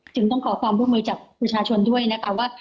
จึงต้องสอบความควบคุมจากชาชนด้วยนะคะว่า